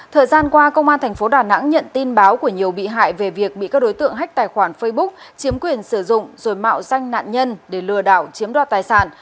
thời gian qua công an tp đà nẵng nhận tin báo của nhiều bị hại về việc bị các đối tượng hách tài khoản facebook chiếm quyền sử dụng rồi mạo danh nạn nhân để lừa đảo chiếm đoạt tài sản